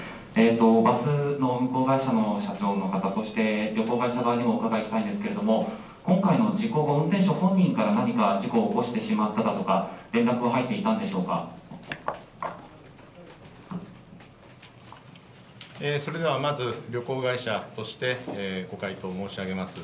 バスの運行会社の社長の方、そして、旅行会社側にもお伺いしたいんですけれども、今回の事故後、運転手本人から、何か事故を起こしてしまっただとか、連絡はそれではまず、旅行会社として、ご回答申し上げます。